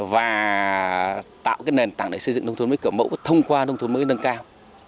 và tạo nền tảng để xây dựng nông thuận mới kiểu mẫu thông qua nông thuận mới nâng cao